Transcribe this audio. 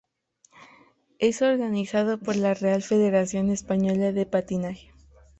Es organizado por la Real Federación Española de Patinaje.